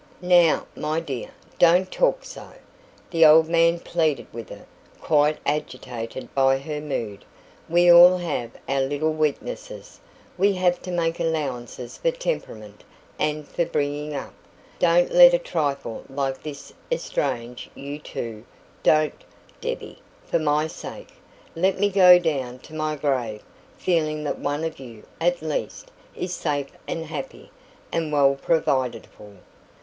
"Now, my dear, don't talk so," the old man pleaded with her, quite agitated by her mood. "We all have our little weaknesses we have to make allowances for temperament and for bringing up. Don't let a trifle like this estrange you two don't, Debbie, for my sake. Let me go down to my grave feeling that one of you, at least, is safe and happy, and well provided for."